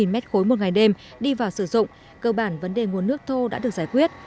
một ngày đêm đi vào sử dụng cơ bản vấn đề nguồn nước thô đã được giải quyết